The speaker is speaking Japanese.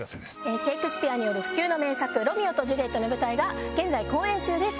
シェイクスピアによる不朽の名作『ロミオ＆ジュリエット』の舞台が現在公演中です。